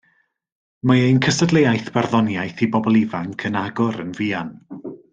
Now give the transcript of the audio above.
Mae ein cystadleuaeth barddoniaeth i bobl ifanc yn agor yn fuan